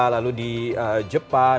lalu di jepang